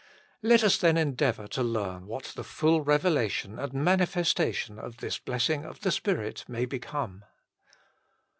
Let us then endeavour to learn what the full revelation and manifestation of this blessing of the Spirit may become.